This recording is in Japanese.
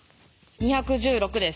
２１６です。